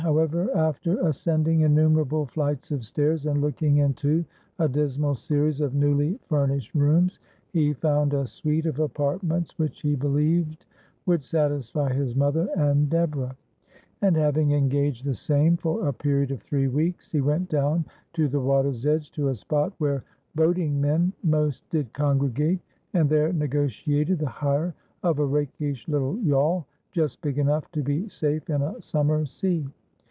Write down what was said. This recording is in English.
^ Ill ever, after ascending innumerable flights of stairs, and looking into a dismal series of newly furnished rooms, he found a suite of apartments which he believed would satisfy his mother and Deborah ; and having engaged the same for a ijeriod of three weeks, he went down to the water's edge, to a spot where boat ing men most did congregate, and there negotiated the hire of a rakish little yawl, just big enough to be safe in a summer sea.